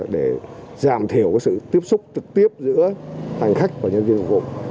để giảm thiểu sự tiếp xúc trực tiếp giữa hành khách và nhân viên phục vụ